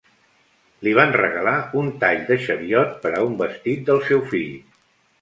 Li van regalar un tall de xeviot per a un vestit del seu fill.